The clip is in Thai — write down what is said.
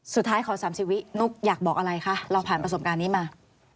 ขอ๓ชีวิตนุ๊กอยากบอกอะไรคะเราผ่านประสบการณ์นี้มา